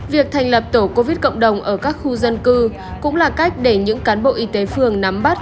việc thành lập tổ covid cộng đồng ở các khu dân cư cũng là cách để những cán bộ y tế phường nắm bắt